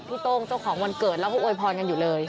โต้งเจ้าของวันเกิดแล้วก็โวยพรกันอยู่เลย